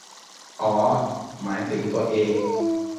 อ้อ หมายถึงตัวเอง